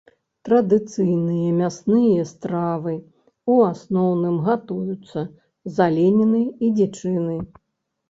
Традыцыйныя мясныя стравы, у асноўным, гатуюцца з аленіны і дзічыны.